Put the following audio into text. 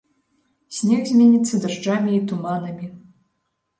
Снег зменіцца дажджамі і туманамі.